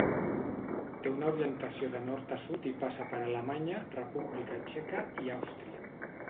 Té una orientació de nord a sud i passa per Alemanya, República Txeca i Àustria.